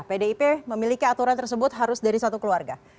pdip memiliki aturan tersebut harus dari satu keluarga